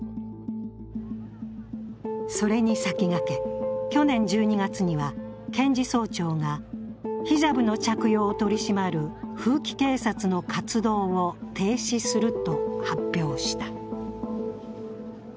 それに先駆け、去年１２月には検事総長がヒジャブの着用を取り締まる風紀警察の活動を停止すると発表した。